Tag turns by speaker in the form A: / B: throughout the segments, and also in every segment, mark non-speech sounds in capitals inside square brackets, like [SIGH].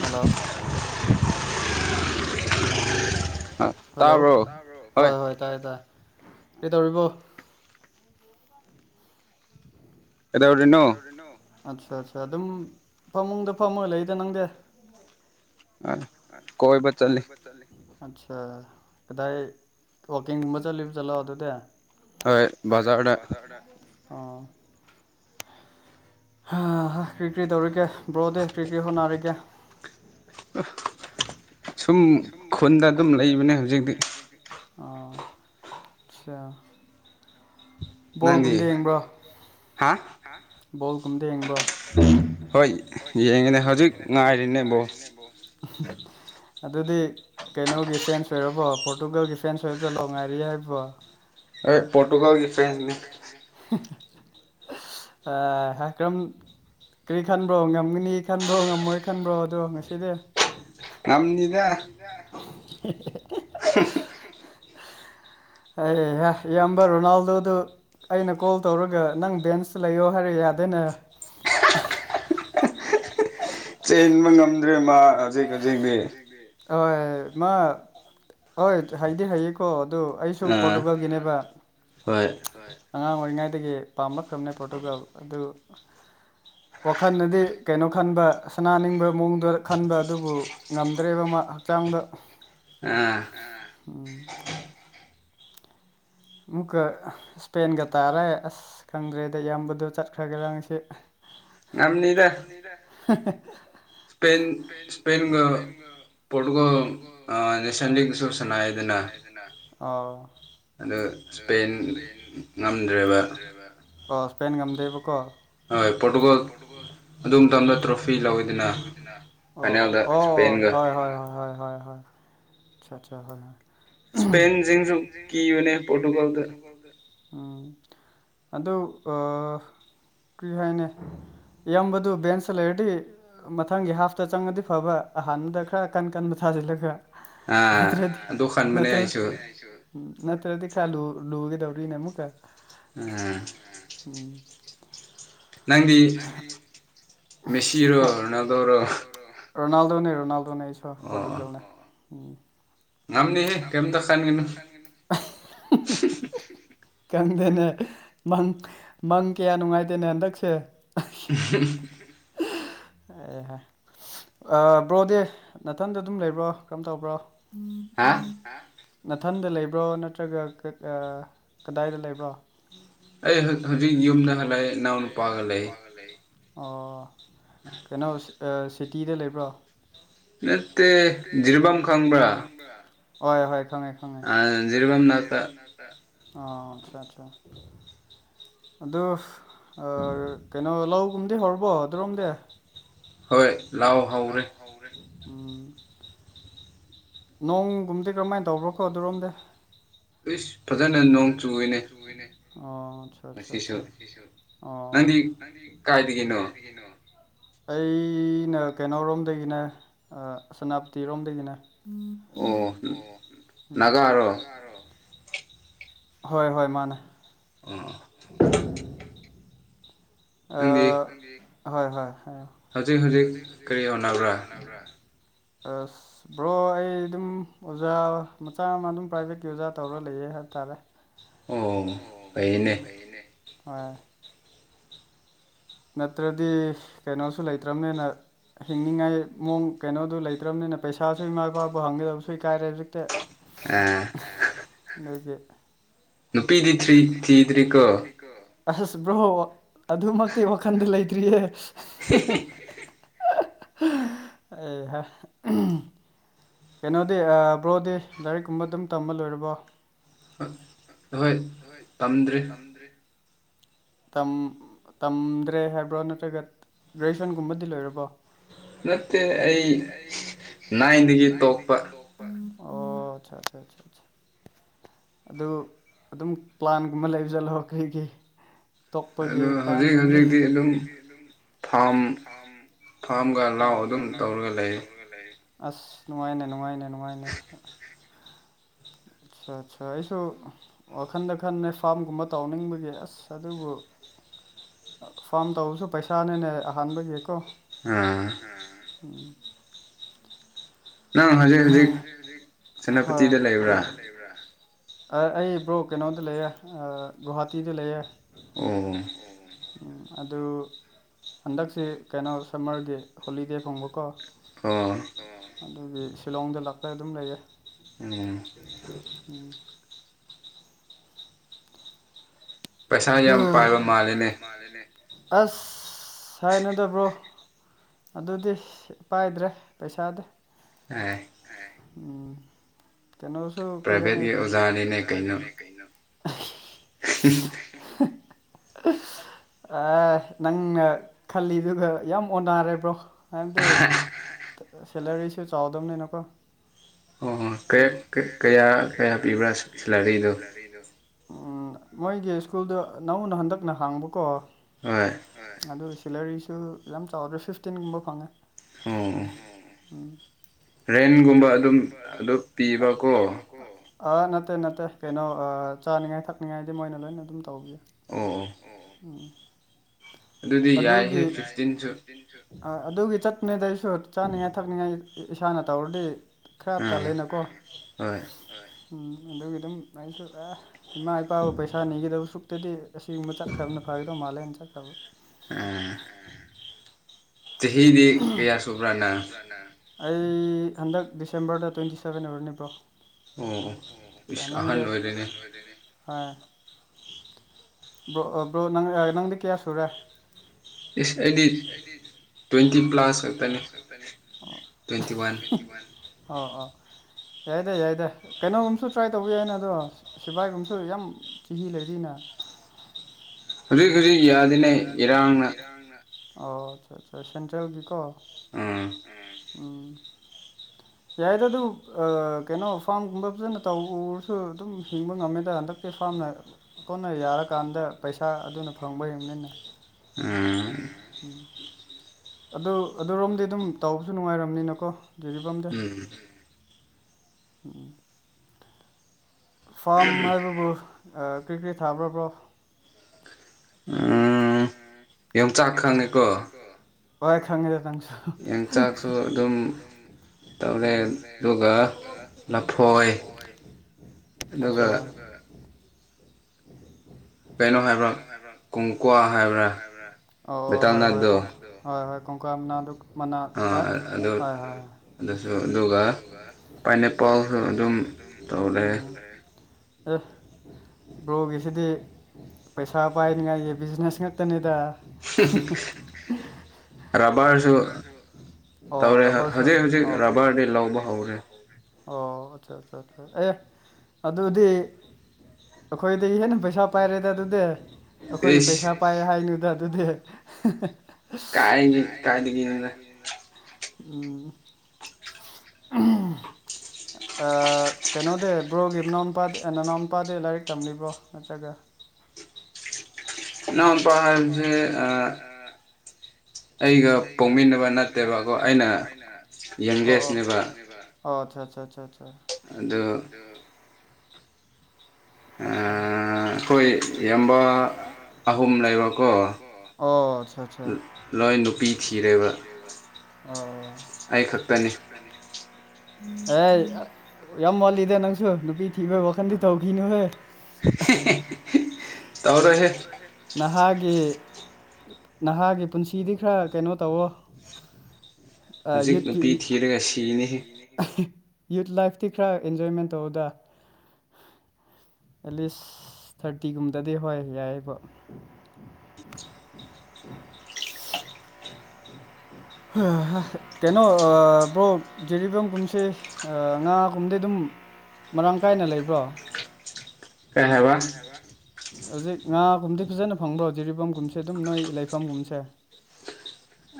A: Hello hello ꯍꯣꯏ ꯍꯣꯏ ꯇꯥꯏꯌꯦ ꯇꯥꯏ ꯀꯩꯗꯧꯔꯤꯕꯣ ꯑꯦꯗꯔꯅꯣ ꯑꯠꯆꯥ ꯑꯠꯥ ꯑꯗꯨꯝ ꯐꯃꯨꯡꯗ ꯐꯝꯃꯒ ꯂꯩꯔꯤꯗ ꯅꯪꯗꯦ
B: ꯑ ꯀꯣꯏꯕ ꯆꯠꯂꯤ
A: ꯑꯠꯆꯥ ꯀꯗꯥꯏ ꯋꯥꯛꯀꯤꯡꯒꯨꯝꯕ ꯆꯠꯂꯤꯕ ꯆꯠꯂꯣꯑꯣ ꯑꯗꯨꯗꯤ
B: ꯍ ꯖꯥꯗ
A: ꯑꯥ ꯀꯔꯤ ꯀꯔꯤ ꯇꯧꯔꯤꯒꯦ ꯕꯣꯔꯣꯗꯦ ꯀ꯭ꯔꯤꯀꯦ ꯁꯣꯅꯔꯒꯦ ꯁꯨꯝ ꯈꯨꯟꯗ ꯑꯗꯨꯝ ꯂꯩꯕꯅꯦ ꯍꯧꯖꯤꯛꯇꯤ ꯑꯥ ꯑꯠꯆꯥ ꯕꯣꯜꯒꯨꯝꯗ ꯌꯦꯡꯕ꯭ꯔꯥ ꯣꯜ ꯀ
B: ꯍꯣꯏ ꯌꯦꯡꯉꯦꯅꯦ ꯍꯧꯖꯤꯛ ꯉꯥꯏꯔꯤꯅꯦ ꯏꯕꯣ
A: ꯑꯗꯨꯗꯤ ꯀꯩꯅꯣꯒꯤ ꯐ꯭ꯔꯦꯟꯁ ꯑꯣꯏꯔꯕꯣ ꯄꯣꯔꯇꯨꯒꯜꯒꯤ ꯐ꯭ꯔꯦꯟꯁ ꯑꯣꯏꯔꯕꯁꯨ ꯂꯥꯎ ꯉꯥꯏꯔꯤ ꯍꯥꯏꯕꯣ ꯑꯦ ꯄꯣꯇꯨꯒꯜꯒꯤ ꯑ ꯍꯥꯏ ꯀ꯭ꯔꯝ ꯀꯔꯤ ꯈꯟꯕꯣ ꯉꯝꯒꯅꯤ ꯈꯟꯕ꯭ꯔꯣ ꯉꯝꯃꯣꯏ ꯈꯟꯕ꯭ꯔꯣ ꯑꯗꯣ ꯉꯁꯤꯗꯤ ꯌꯥꯝꯅꯤꯗ
B: [INAUDIBLE]
A: ꯑꯩ ꯏꯌꯥꯝꯕ ꯔꯣꯅꯥꯜꯗꯣꯗꯨ ꯑꯩꯅ ꯀꯣꯜ ꯇꯧꯔꯒ ꯅꯪ ꯕꯦꯟꯁ ꯂꯩꯌꯣ ꯍꯥꯏꯔ ꯌꯥꯗꯅꯦ
B: ꯆꯦꯟꯕ ꯉꯝꯗ꯭ꯔꯦ ꯃꯥ ꯍꯧꯖꯤꯛ ꯍꯧꯖꯤꯛꯤ
A: ꯍꯣꯏ ꯃꯥ ꯍꯣꯏ ꯍꯥꯏꯗꯤ ꯍꯥꯏꯌꯦꯀꯣ ꯑꯗꯨ ꯑꯩꯁꯨ ꯄꯣꯔꯇꯨꯒꯜꯒꯤꯅꯦꯕ ꯑꯉꯥꯡ ꯑꯣꯏꯔꯤꯉꯩ ꯑꯩꯒꯤ ꯄꯥꯝꯂꯛꯈ꯭ꯔꯕꯅꯦ ꯄꯣꯔꯇꯨꯒꯥꯜ ꯑꯗꯨ ꯋꯥꯈꯜꯅꯗꯤ ꯀꯩꯅꯣ ꯈꯟꯕ ꯁꯅꯥꯅꯤꯡꯕ ꯃꯑꯣꯡꯗ ꯈꯟꯕ ꯑꯗꯨꯕꯨ ꯉꯝꯗ꯭ꯔꯦꯕ ꯃꯥ ꯍꯛꯆꯥꯡꯗ
B: ꯑ
A: ꯎꯝ ꯑꯃꯨꯛꯀ ꯏꯁꯄꯦꯟꯒ ꯇꯥꯔꯦ ꯑꯁ ꯈꯪꯗ꯭ꯔꯦꯗ ꯏꯌꯥꯝꯕꯗꯣ ꯆꯠꯈ꯭ꯔꯒꯦꯔꯥꯁꯤ ꯌꯥꯝꯅꯤꯗ
B: ꯁꯄꯦꯟꯦꯟ ꯁꯄꯦꯟꯦꯟꯒ
A: ꯄꯨꯠꯀꯣ ꯑꯁ ꯆꯁꯅꯗꯅ
B: ꯑꯗ
A: ꯭ꯔ ꯑꯣ ꯏꯁꯄꯦꯟ ꯉꯝꯗꯦꯕꯀꯣ
B: ꯍꯣꯏ ꯄꯣꯠꯒꯣꯜ
A: ꯇꯣꯐ ꯑꯣ ꯑꯣ ꯍꯣꯏ ꯍꯣꯏ ꯍꯣꯏ ꯍꯣꯏ ꯍꯣꯏ ꯍꯣꯏꯥ ꯍꯣꯏ ꯍꯣꯏ
B: ꯁꯄꯦꯟ ꯤꯡꯁꯨ ꯀ ꯑꯣꯏꯅꯅꯦ
A: ꯎꯝ ꯑꯗꯣ ꯑ ꯀꯔꯤ ꯍꯥꯏꯅꯦ ꯌꯥꯝꯕꯗꯨ ꯕꯦꯟꯁ ꯂꯩꯔꯗꯤ ꯃꯊꯪꯒꯤ ꯍꯥꯐꯇ ꯆꯪꯉꯗꯤ ꯐꯕ ꯑꯍꯥꯟꯕꯗ ꯈꯔ ꯀꯟ ꯀꯟꯕ ꯊꯥꯖꯤꯜꯂ ꯈ꯭ꯔ ꯅꯠꯇ꯭ꯔ ꯅꯠꯇ꯭ꯔ ꯅ ꯗꯤ ꯈꯔꯂꯨ ꯂꯒꯗꯧꯔꯔꯤꯅꯦꯃꯨ ꯀꯦ
B: ꯑ ꯅꯪꯗꯤ ꯃꯦꯁꯤꯔꯣꯅꯗꯧꯔꯣ
A: ꯔꯣꯅꯥꯜꯗꯣꯅꯦ ꯔꯣꯅꯥꯜꯗꯣꯅꯦ ꯁ ꯄꯣꯔꯇꯨꯒꯜꯅꯦ ꯎꯝ ꯌꯥꯝꯝꯅꯤ ꯍꯥꯏꯦ ꯀꯝꯗ ꯈꯥꯏꯒꯅꯤ ꯀꯪꯗꯦꯅꯦ ꯃꯪ ꯃꯪ ꯀꯌꯥ ꯅꯨꯡꯉꯥꯏꯇꯦꯅꯦ ꯍꯟꯗꯛꯁꯦ
B: [INAUDIBLE]
A: ꯑꯦꯍ ꯕ꯭ꯔꯣ ꯗꯦ ꯅꯥꯊꯟꯗ ꯑꯗꯨꯝ ꯂꯩꯕ꯭ꯔꯣ ꯀꯔꯝ ꯇꯧꯕ꯭ꯔꯣ
B: ꯍꯥ
A: ꯅꯥꯊꯟꯗ ꯂꯩꯕ꯭ꯔꯣ ꯅꯠꯇ꯭ꯔꯒ ꯀꯗꯥꯏꯗ ꯂꯩꯕ꯭ꯔꯣ
B: ꯑꯩ ꯍꯧꯖꯤꯛ ꯌꯨꯝꯗ ꯍ ꯂꯩ ꯏꯅꯥꯎ ꯅꯨꯄꯥꯒ ꯂꯩ
A: ꯑꯣ ꯀꯩꯅꯣ ꯁꯤꯇꯤꯗ ꯂꯩꯕ꯭ꯔꯣ
B: ꯅꯇ ꯖꯤꯔꯕꯥꯝ ꯈꯪꯕ꯭ꯔ
A: ꯍꯣꯏ ꯍꯣꯏ
B: ꯔꯤꯕꯥꯝ ꯅꯇ
A: ꯑ ꯑꯆꯥ ꯑ ꯑꯗꯨ ꯀꯩꯅꯣ ꯂꯧꯒꯨꯝꯗꯤ ꯍꯧꯔꯕꯣ ꯑꯗꯨꯔꯣꯝꯗꯤ
B: ꯍꯣꯏ ꯂꯥꯎ ꯍꯧꯎꯔꯦ
A: ꯎ ꯅꯣꯡꯒꯨꯝꯕꯗꯤ ꯀꯔꯝꯍꯥꯏꯅ ꯇꯧꯕ꯭ꯔꯣ ꯈꯣ ꯑꯗꯨꯔꯣꯝꯗ
B: ꯑ
A: ꯐꯖꯅ ꯅꯣꯡ ꯆ ꯑ ꯑ ꯑ ꯑ
B: ꯀꯥꯏꯗ
A: ꯀꯥꯏꯗꯒꯦꯅꯣ ꯑꯩꯅ ꯀꯩꯅꯣꯔꯣꯝꯗꯒꯤꯅꯦ ꯁꯦꯅꯥꯄꯇꯤꯔꯣꯝꯗꯒꯤꯅꯦ
B: ꯑꯣ ꯒꯥꯔꯣ
A: ꯍꯣꯏ ꯍꯣꯏ ꯃꯥꯅꯦ [INAUDIBLE] ꯑ ꯍꯣꯏ ꯍꯣꯏ ꯍꯧꯖꯤꯛ ꯍꯧꯖꯤꯛ ꯀꯔꯤ ꯍꯅꯕ꯭ꯔꯥ ꯑꯁ ꯕ꯭ꯔꯣ ꯑꯩ ꯑꯗꯨꯝ ꯑꯣꯖꯥ ꯃꯆꯥ ꯑꯃ ꯑꯗꯨꯝ ꯄ꯭ꯔꯥꯏꯚꯦꯠꯀꯤ ꯑꯣꯖꯥ ꯇꯧꯔ ꯂꯩꯌꯦ ꯍꯥꯏ ꯇꯥꯔꯦ
B: ꯑꯣ ꯑꯅꯦ
A: ꯍꯣꯏ ꯅꯠꯇ꯭ꯔꯗꯤ ꯀꯩꯅꯣꯁꯨ ꯂꯩꯇ꯭ꯔꯕꯅꯦꯅ ꯍꯤꯡꯅꯤꯡꯉꯥꯏ ꯃꯑꯣꯡ ꯀꯩꯅꯣꯗꯨ ꯂꯩꯇ꯭ꯔꯕꯅꯤꯅ ꯄꯩꯁꯥꯁꯨ ꯏꯃꯥ ꯏꯄꯥꯄ ꯍꯪꯒꯗꯕꯁꯨ ꯏ ꯀꯥꯏꯔꯦ ꯍꯧꯖꯤꯛꯇꯤ ꯅꯨꯒꯤ
B: ꯅꯨꯄꯤꯗꯤ ꯊ꯭ꯔꯤ ꯊꯤꯗ꯭ꯔꯤꯀꯣ
A: ꯑꯁ ꯕ꯭ꯔꯣ ꯑꯗꯨꯃꯛꯇꯤ ꯋꯥꯈꯟꯗ ꯂꯩꯇ꯭ꯔꯤꯌꯦ ꯑ ꯍ ꯍ ꯍ ꯑꯩꯍꯥ ꯀꯩꯅꯣꯗꯤ ꯕ꯭ꯔꯣꯗꯤ ꯂꯥꯏꯔꯤꯛ ꯀꯨꯝꯕ ꯑꯗꯨꯝ ꯇꯝꯕ ꯂꯣꯏꯔꯕꯣ
B: ꯍꯣꯏ ꯇꯝꯗ꯭ꯔꯤ
A: ꯇꯝꯗ꯭ꯔꯦ ꯍꯥꯏꯕ꯭ꯔꯣ ꯅꯠꯇ꯭ꯔꯒ ꯒ꯭ꯔꯦꯖꯨꯋꯦꯁꯟꯒꯨꯝꯕꯗꯤ ꯂꯣꯏꯔꯕꯣ
B: ꯅꯠꯇꯦ ꯑꯩ ꯅꯥꯏꯟꯗꯒꯤ ꯇꯣꯛꯄ
A: ꯑꯣ ꯑꯠꯆꯥ ꯑꯆꯥ ꯑ ꯑꯗꯨ ꯑꯗꯨꯝ ꯄ꯭ꯂꯥꯟꯒꯨꯝꯕ ꯂꯩꯕ ꯆꯠꯂꯣ ꯑꯩꯩꯒꯤ
B: ꯑꯣ ꯍꯧꯖꯤꯛ ꯍꯧꯖꯤꯛꯇꯤ ꯑꯗꯨꯝ ꯐꯥꯝ ꯐꯥꯝ
A: ꯊꯒ ꯂꯅꯥꯎ ꯑꯗꯨꯝ ꯇꯧꯔꯒ ꯂꯩ ꯑꯁ ꯅꯨꯡꯉꯥꯏꯅꯦ ꯅꯨꯡꯉꯥꯏꯅꯦ ꯅꯨꯡꯉꯥꯏꯅꯦ ꯑꯠꯆꯥ ꯑꯠꯆꯥꯥ ꯑꯩꯁꯨ ꯋꯥꯈꯟꯗ ꯈꯟꯅꯦ ꯐꯥꯝꯒꯨꯝꯕ ꯇꯧꯅꯤꯡꯕꯒꯤ ꯑꯁ ꯑꯗꯨꯕꯨ
B: [INAUDIBLE]
A: ꯐꯥꯝ ꯇꯧꯕꯁꯨ ꯄꯩꯁꯥꯅꯤꯅꯦ ꯑꯍꯥꯟꯕꯒꯤꯀꯣ
B: ꯑ
A: ꯎꯝ
B: ꯅꯪ ꯍꯧꯖꯤꯛ ꯍꯧꯖꯤꯛ ꯁꯦꯅꯥꯄꯇꯤꯗ ꯂꯩꯕ꯭ꯔꯥ
A: ꯑꯩ ꯕ꯭ꯔꯣ ꯀꯩꯅꯣꯗ ꯂꯩꯌꯦ ꯒꯨꯍꯥꯇꯤꯗ ꯂꯩꯌꯦ
B: ꯑꯣ
A: ꯎꯝ ꯑꯗꯨ ꯍꯟꯗꯛꯁꯤ ꯀꯩꯅꯣ ꯁꯝꯃꯔꯒꯤ ꯍꯣꯂꯤꯗꯦ ꯐꯪꯕꯀꯣ
B: ꯑꯣ
A: ꯑꯗꯨꯗꯒꯤ ꯁꯤꯂꯣꯡꯗ ꯂꯥꯛꯄ ꯑꯗꯨꯝ ꯂꯩꯌꯦ
B: ꯑ
A: ꯍ ꯌꯥꯝ ꯑꯁ ꯍꯥꯏꯅꯨꯗ ꯕ꯭ꯔꯣ ꯑꯗꯨꯗꯤ ꯄꯥꯏꯗ꯭ꯔꯦ ꯄꯩꯁꯥꯗꯤ
B: ꯑꯩ
A: ꯎꯝ ꯀꯩꯅꯣꯁꯨ ꯀꯅꯤ ꯀꯩꯅꯩꯅꯣ
B: ꯎ
A: ꯑ [UNINTELLIGIBLE] [INAUDIBLE] ꯑꯦ ꯅꯪꯅ ꯈꯜꯂꯤꯗꯨꯒ ꯌꯥꯝ ꯑꯣꯟꯅꯔꯕ꯭ꯔꯣ ꯍꯥꯏꯕꯗꯤ ꯁꯦꯂꯔꯤꯁꯨ ꯆꯥꯎꯗꯝꯕꯅꯤꯅꯀꯣ
B: ꯑꯣ ꯀꯌꯥ ꯀꯌꯥ ꯄꯤꯕ꯭ꯔꯥ ꯁꯦꯂꯔꯤꯗꯨꯣ
A: ꯃꯣꯏꯒꯤ ꯁ꯭ꯀꯨꯜꯗ ꯅꯧꯅ ꯍꯟꯗꯛꯅ ꯍꯥꯡꯕꯀꯣ ꯑꯗꯨꯒꯤ ꯁꯦꯂꯔꯤꯁꯨ ꯌꯥꯝ ꯆꯥꯎꯗ ꯐꯤꯐꯇꯤꯟꯒꯨꯝꯕ ꯐꯪꯉꯦ
B: ꯑꯣ [UNINTELLIGIBLE] [INAUDIBLE] ꯔꯦꯟꯒꯨꯝꯕ ꯑꯗꯨꯝ ꯑꯗꯨ
A: ꯄꯤ ꯂ ꯀꯣ ꯑꯥ ꯅꯠꯇꯦ ꯅꯠꯇꯦ ꯀꯩꯅꯣ ꯆꯥꯅꯤꯡꯉꯥꯏ ꯊꯛꯅꯤꯡꯉꯥꯏꯗꯤ ꯃꯣꯏꯅ ꯂꯣꯏꯅ ꯑꯗꯨꯝ ꯇꯧꯕꯤꯨ
B: ꯑꯣ [UNINTELLIGIBLE] [INAUDIBLE]
A: ꯑꯣꯝ ꯑꯗꯨꯒꯤꯇ ꯑꯗꯨꯒꯤ ꯆꯠꯇꯅꯤꯗꯩꯁꯨ ꯆꯥꯅꯤꯡꯉꯥꯏ ꯊꯛꯅꯤꯡꯉꯥꯏ ꯏꯁꯥꯅ ꯇꯧꯔꯗꯤ ꯈꯔ ꯇꯜꯂꯦꯅꯀꯣ ꯎꯝ ꯑꯗꯨꯒꯤ ꯑꯗꯨꯝ ꯑꯩꯁꯨ ꯑꯦ ꯏꯃꯥ ꯏꯄꯥꯕꯨ ꯄꯩꯁꯥ ꯅꯤꯒꯗꯕ ꯁꯨꯛꯇꯗꯤ ꯑꯁꯤꯒꯨꯝꯕ ꯆꯠꯈ꯭ꯔꯕꯅ ꯐꯒꯗꯧꯕ ꯃꯥꯂꯦꯅꯟ ꯆꯔ꯭ꯔꯕ
B: ꯑꯥ ꯆꯍꯤꯗꯤ ꯀꯌꯥ ꯁꯨꯕ꯭ꯔꯥ ꯅꯪ
A: ꯑꯩ ꯍꯟꯗꯛ ꯗꯤꯁꯦꯝꯕꯔꯗ ꯇ꯭ꯋꯦꯟꯇꯤ ꯁꯕꯦꯟ ꯑꯣꯏꯔꯝꯅꯤ ꯕꯔꯣ
B: ꯑꯣ ꯏꯁ ꯑꯍꯟ ꯑꯣꯏꯔꯦꯅꯦ
A: ꯑꯥ ꯕꯔꯣ꯫ ꯅꯪꯗꯤ ꯀꯌꯥ ꯁꯨꯔꯦ
B: ꯏꯁ꯭ ꯑꯩꯗꯤ ꯇ꯭ꯋꯦꯟꯇꯤ
A: ꯇ꯭ꯋꯦꯟꯇ ꯄ꯭ꯂꯋ ꯈꯛꯇꯅꯦ ꯑꯣ ꯌꯥꯏꯗ ꯌꯥꯏꯗ ꯀꯩꯅꯣꯒꯨꯝꯕꯁꯨ ꯇ꯭ꯔꯥꯏ ꯇꯧꯕ ꯌꯥꯏꯅ ꯑꯗꯣ ꯁꯤꯕꯥꯏꯒꯨꯝꯁꯨ ꯌꯥꯝ ꯆꯍꯤ ꯂꯩꯔꯤꯅ
B: ꯍꯧꯖꯤꯛ ꯍꯧꯖꯤꯛ ꯌꯗꯦꯅꯦ ꯏꯔꯥꯡ ꯅꯥ
A: ꯑꯣ ꯑꯥꯁꯥ ꯑꯠꯆꯥ ꯁꯦꯟꯇ꯭ꯔꯦꯜꯒꯤꯀꯣ ꯎꯝ ꯌꯥꯏꯗ ꯑꯗꯨ ꯀꯩꯅꯣ ꯐꯥꯔꯝ ꯒꯨꯝꯕ ꯐꯖꯅ ꯇꯧꯔꯁꯨ ꯑꯗꯨꯝ ꯍꯤꯡꯕ ꯉꯝꯃꯦꯗ ꯍꯟꯗꯛꯇꯤ ꯐꯥꯝꯅ ꯀꯣꯟꯅ ꯌꯥꯔꯀꯥꯟꯗ ꯄꯩꯁꯥ ꯑꯗꯨꯅ ꯐꯪꯕ ꯍꯤꯡꯕꯅꯤꯅ
B: ꯎꯝ
A: ꯗ ꯑꯗꯨ ꯑꯗꯨꯔꯣꯝꯗꯤ ꯑꯗꯨꯝ ꯇꯧꯕꯁꯨ ꯅꯨꯡꯉꯥꯏꯔꯕꯅꯤꯅꯀꯣ ꯔꯤꯕꯝꯗꯨ ꯎꯃꯝ ꯐꯥꯔꯝ ꯍꯥꯏꯕꯕꯨ ꯀꯔꯤꯀꯔꯤ ꯊꯥꯕꯕ꯭ꯔꯣ
B: ꯌꯣꯡꯆꯥꯛ ꯈꯪꯉꯤꯀꯣ
A: ꯍꯣꯏ ꯈꯪꯒꯦ ꯈꯪꯒꯦ꯫
B: ꯌꯣꯡꯆꯥꯛꯁꯨ ꯑꯗꯨꯝ ꯇꯧꯔꯦ ꯑꯗꯨꯒ ꯂꯐꯣꯏ
A: ꯑꯆꯥ
B: ꯀꯩꯅꯣ ꯍꯥꯏꯕ꯭ꯔꯥ ꯀꯣꯡꯀ꯭ꯋꯥ ꯍꯥꯏꯕ꯭ꯔꯥ
A: ꯑꯣ ꯑꯣ ꯍꯣꯏ ꯍꯣꯏ ꯀꯣꯡ ꯍꯣꯏ ꯍꯣꯏ ꯀꯣꯡꯀꯋ꯭ꯥ ꯃꯅꯥꯗꯨ ꯃꯅꯥ ꯍꯣꯏ ꯍꯣꯏ ꯑꯗꯨꯒ ꯑꯗꯨꯝ ꯕ꯭ꯔꯣꯒꯤꯁꯤꯗꯤ ꯄꯩꯁꯥ ꯄꯥꯏꯅꯤꯡꯉꯥꯏꯒꯤ ꯕꯤꯖꯤꯅꯦꯁ ꯉꯥꯛꯇꯅꯤꯗ ꯔꯕꯁꯨ ꯑꯣ ꯔꯔꯁꯨ ꯑꯣ ꯑꯆꯥ ꯑꯆꯥ ꯑꯌꯥ ꯑꯗꯨꯗꯤ ꯑꯈꯣꯏꯗꯒꯤ ꯍꯦꯟꯅꯥ ꯄꯩꯁꯥ ꯄꯥꯏꯔꯦꯗ ꯑꯗꯨꯗꯤ ꯑꯩꯈꯣꯏ ꯄꯩꯁꯥ ꯄꯥꯏ ꯍꯥꯏꯅꯨꯗ ꯑꯗꯨꯗꯤ
B: ꯀꯥꯏ ꯀꯥꯏꯗꯒꯤꯅꯣꯗꯥ
A: ꯎꯝ
B: [UNINTELLIGIBLE]
A: ꯑꯥ ꯀꯩꯅꯣꯗ ꯕ꯭ꯔꯣꯒꯤ ꯃꯅꯥꯎ ꯅꯨꯄꯥ ꯅꯅꯥꯎ ꯅꯨꯄꯥꯗ ꯂꯥꯏꯔꯤꯛ ꯇꯝꯂꯤꯕ꯭ꯔꯣ ꯅꯠꯇ꯭ꯔꯒ
B: ꯏꯅꯥꯎꯄꯥꯖꯦ ꯑ ꯑꯩꯒ ꯄꯣꯛꯃꯤꯅꯕ ꯅꯠꯇꯦꯕ ꯀꯣ ꯑꯩꯅ ꯌꯪꯒꯦꯁꯅꯦꯕ
A: ꯑꯣ ꯑꯆꯥ ꯆꯥ ꯆꯥ
B: ꯑꯗꯣ
A: ꯑꯆꯥ
B: ꯑꯩꯈꯣꯏ ꯏꯌꯥꯝꯕ ꯑꯍꯨꯝ ꯂꯩꯕꯀꯣ ꯂꯣꯏ ꯅꯨꯄꯤ ꯊꯤꯔꯦꯕ ꯏ
A: ꯑꯣ ꯑꯦ ꯌꯥꯝ ꯋꯥꯠꯂꯤꯗ ꯅꯪꯁꯨ ꯅꯨꯄꯤ ꯊꯤꯕꯒꯤ ꯋꯥꯈꯟꯗꯤ ꯇꯧꯈꯤꯅꯨꯍꯦ
B: ꯍꯦꯍꯦꯍꯦ ꯇꯧꯔꯣꯏꯍꯦ
A: ꯅꯍꯥꯒꯤ ꯅꯍꯥꯒꯤ ꯄꯨꯟꯁꯤꯗꯤ ꯈꯔ ꯀꯩꯅꯣ ꯇꯧꯑꯣ ꯑ ꯌꯨꯠꯀꯤ [UNINTELLIGIBLE] ꯌꯨꯠ ꯂꯥꯏꯐꯇꯤ ꯈꯔ ꯑꯦꯟꯖꯣꯏꯃꯦꯟ ꯇꯧꯑꯣꯗ ꯑꯦꯠꯂꯤꯁ ꯊꯥꯔꯇꯤꯒꯨꯝꯕꯗꯗꯤ ꯍꯣꯏ ꯌꯥꯏꯌꯦꯕ [UNINTELLIGIBLE] ꯀꯩꯅꯣ ꯕ꯭ꯔꯣ ꯖꯤꯔꯤꯕꯥꯝꯒꯨꯝꯁꯦ ꯉꯥꯒꯨꯝꯗꯤ ꯑꯗꯨꯝ ꯃꯔꯥꯡ ꯀꯥꯏꯅ ꯂꯩꯕ꯭ꯔꯣ ꯍꯧꯖꯤꯛ ꯉꯥꯒꯨꯝꯕꯗꯤ ꯐꯖꯅ ꯐꯪꯕ꯭ꯔꯣ ꯖꯤꯔꯤꯕꯥꯝꯒꯨꯝꯁꯦ ꯑꯗꯨꯝ ꯅꯣꯏ ꯂꯩꯐꯝꯒꯨꯝꯕꯁꯦ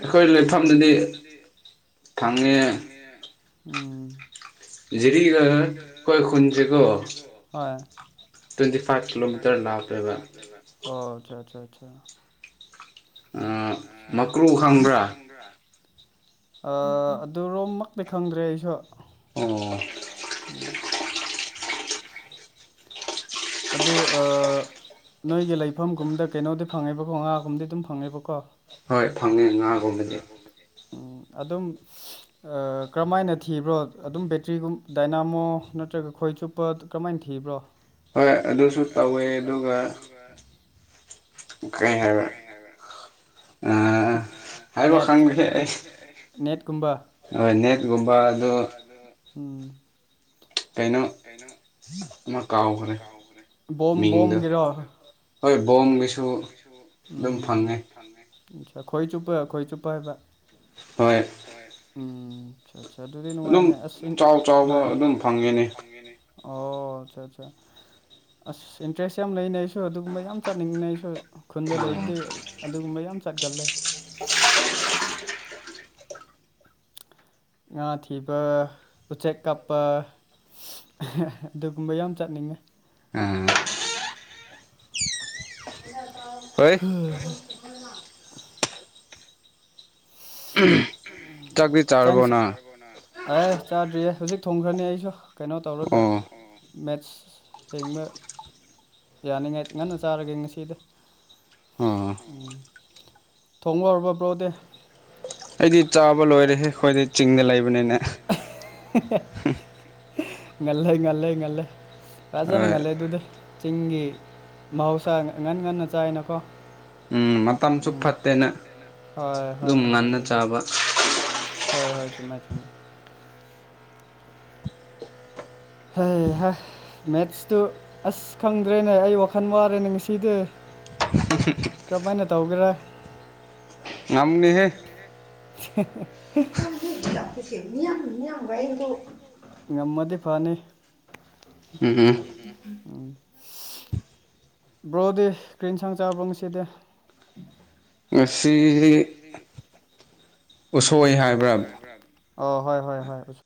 B: ꯑꯩꯈꯣꯏ ꯂꯩꯐꯝꯗꯗꯤ ꯐꯪꯉꯦ
A: ꯎꯝ [UNINTELLIGIBLE] ꯍꯣꯏ꯫ [UNINTELLIGIBLE]
B: ꯃꯀ꯭ꯔꯨ ꯈꯪꯕ꯭ꯔꯥ
A: ꯑꯗꯨꯔꯣꯝꯃꯛꯇꯤ ꯈꯪꯗ꯭ꯔꯦ ꯑꯩꯁꯨ ꯑꯣ [UNINTELLIGIBLE] ꯑꯗꯨ ꯅꯣꯏꯒꯤ ꯂꯩꯐꯝꯒꯨꯝꯗ ꯀꯩꯅꯣꯗꯤ ꯐꯪꯉꯦꯕꯀꯣ ꯉꯥꯒꯨꯝꯕꯗꯤ ꯑꯗꯨꯝ ꯐꯪꯉꯦꯕꯀꯣ
B: ꯍꯣꯏ ꯐꯪꯉꯦ ꯉꯥꯒꯨꯝꯕꯗꯤ
A: ꯑꯗꯨꯝ ꯀꯔꯝꯍꯥꯏꯅ ꯊꯤꯕ꯭ꯔꯣ ꯑꯗꯨꯝ ꯕꯦꯇ꯭ꯔꯤꯒꯨꯝ ꯗꯥꯏꯅꯥꯃꯣ ꯅꯠꯇ꯭ꯔ ꯅꯠꯇ꯭ꯔꯒ ꯈꯣꯏ ꯆꯨꯞꯄ ꯀꯔꯝꯃꯥꯏꯅ ꯊꯤꯕ꯭ꯔꯣ
B: ꯍꯣꯏ ꯑꯗꯨꯁꯨ ꯇꯧꯋꯦ ꯑꯗꯨꯒ ꯀꯩ ꯍꯥꯏꯕꯔꯥ
A: ꯅꯦꯠ ꯅꯦꯠ
B: ꯍꯣꯏ ꯅꯦꯠꯒꯨꯝꯕ ꯑꯗꯨ
A: ꯎꯝ
B: ꯀꯩꯅꯣ ꯑꯃ ꯀꯥꯎꯈ꯭ꯔꯦ ꯃꯤꯡꯗꯣ
A: ꯎꯝ ꯈꯣꯏ ꯆꯨꯞꯄ ꯈꯣꯏ ꯆꯨꯞꯄ ꯍꯥꯏꯕ ꯎꯝ ꯑꯆꯥ ꯑꯗꯨꯗꯤ ꯅꯨꯡꯉꯥꯏꯅꯦ ꯑꯁ ꯍꯣꯏ ꯑꯣ ꯑꯆꯥ ꯑꯆꯥ ꯑꯁ ꯏꯟꯇꯔꯦꯁ ꯌꯥꯝ ꯂꯩꯅ ꯑꯩꯁꯨ ꯑꯗꯨꯒꯨꯝꯕ ꯌꯥꯝ ꯆꯠꯅꯤꯡꯅꯅꯦ ꯑꯩꯁꯨ ꯈꯨꯟꯗ ꯂꯩꯗꯦ ꯑꯗꯨꯒꯨꯝꯕ ꯌꯥꯝ ꯆꯠꯀꯜꯂꯦ ꯉꯥꯊꯤꯕ ꯎꯆꯦꯛ ꯀꯄ ꯑꯗꯨꯒꯨꯝꯕ ꯌꯥꯝ ꯆꯠꯅꯤꯡꯉꯦ꯫ ꯍꯝ
B: ꯎꯝ
A: [UNINTELLIGIBLE] ꯑꯦꯁ ꯆꯗꯔꯤꯌꯦ ꯍꯧꯖꯤꯛ ꯊꯣꯡꯈ꯭ꯔꯅꯤ ꯑꯩꯁꯨ ꯀꯩꯅꯣ ꯇꯧꯔꯒ ꯃꯦꯠꯁ ꯍꯦꯡꯕ ꯌꯥꯅꯤꯉꯥꯏ ꯉꯟꯅ ꯆꯥꯔꯒꯦ ꯉꯁꯤꯗ ꯎꯝ ꯊꯣꯡꯉꯔꯕ ꯕ꯭ꯔꯣꯗꯦ
B: ꯑꯩꯗꯤ ꯆꯥꯕ ꯂꯣꯏꯔꯦꯦ ꯑꯩꯈꯣꯏꯗꯤ ꯆꯤꯡꯗ ꯂꯩꯕꯅꯤꯅꯦ
A: ꯉꯜꯂꯦ ꯉꯜꯂꯦ ꯉꯜꯂꯦ ꯔꯖꯥꯅ ꯉꯜꯂꯦ ꯑꯗꯨꯗꯤ ꯆꯤꯡꯒꯤ ꯃꯍꯧꯁꯥ ꯉ ꯉꯟ ꯉꯟꯅ ꯆꯥꯏꯅꯀꯣ
B: ꯎꯝ ꯃꯇꯝꯁꯨ ꯐꯠꯇꯦꯅ
A: ꯍꯣꯏ ꯍꯣꯏ ꯑꯗꯨ ꯍꯣꯏ ꯍꯣꯏ ꯆꯃꯥꯏ ꯆꯨꯝꯃ ꯍ ꯃꯦꯠꯁꯇꯨ ꯑꯁ ꯈꯪꯗ꯭ꯔꯦꯅꯦ ꯑꯩ ꯋꯥꯈꯜ ꯋꯥꯔꯦꯅꯦ ꯉꯁꯤꯗꯤ
B: [INAUDIBLE]
A: ꯀꯔꯝꯍꯥꯏꯅ ꯇꯧꯒꯦꯔꯥ
B: ꯌꯥꯝꯝꯅꯤꯍꯦ
A: [UNINTELLIGIBLE]
B: ꯆꯅꯤꯝ ꯏꯝ ꯑꯣꯏꯣꯏꯗꯨ
A: ꯉꯝꯃꯗꯤ ꯐꯅꯤ ꯎꯝ ꯕ꯭ꯔꯣꯗꯤ ꯀꯔꯤꯟꯁꯥꯡ ꯆꯥꯕ꯭ꯔꯣ ꯅꯨꯡꯁꯤꯗꯦ
B: ꯉꯁꯤ ꯎꯁꯣꯏ ꯍꯥꯏꯕ꯭ꯔꯕ
A: ꯑꯣ ꯍꯣꯏ ꯍꯣꯏ ꯍꯣꯏ